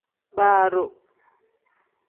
Baa doo.